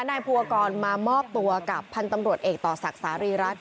นายภูวกรมามอบตัวกับพันธ์ตำรวจเอกต่อศักดิ์สารีรัฐ